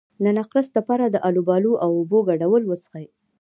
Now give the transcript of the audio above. د نقرس لپاره د الوبالو او اوبو ګډول وڅښئ